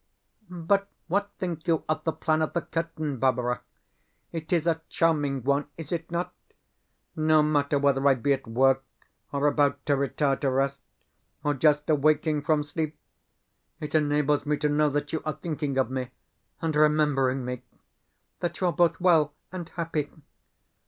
But what think you of the plan of the curtain, Barbara? It is a charming one, is it not? No matter whether I be at work, or about to retire to rest, or just awaking from sleep, it enables me to know that you are thinking of me, and remembering me that you are both well and happy.